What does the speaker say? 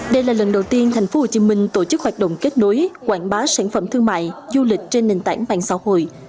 đây là lần đầu tiên tp hcm tổ chức hoạt động kết nối quảng bá sản phẩm thương mại du lịch trên nền tảng mạng xã hội